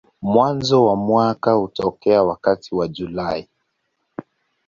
Mwanzo wa mwaka hutokea wakati wa Julai.